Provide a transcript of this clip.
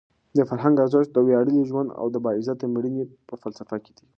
د فرهنګ ارزښت د ویاړلي ژوند او د باعزته مړینې په فلسفه کې دی.